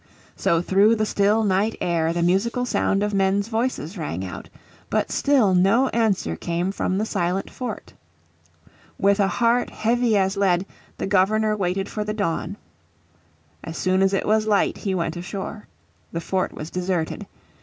So through the still night air the musical sound of men's voices rang out. But still no answer came from the silent fort. With a heart heavy as lead the Governor waited for the dawn. As soon as it was light he went ashore. The fort was deserted.